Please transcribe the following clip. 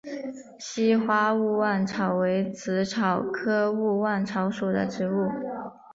稀花勿忘草为紫草科勿忘草属的植物。